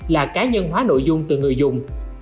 là cá nhân hóa nội dung từ người dùng